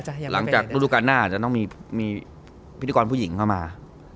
สินวันจากธุรกรรมหน้าจะต้องมีพิธีกรผู้หญิงเข้ามา